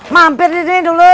mampir di sini dulu